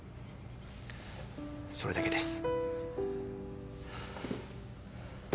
それだけです。